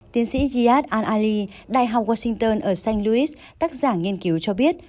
tiến sĩ giad al ali đại học washington ở st louis tác giả nghiên cứu cho biết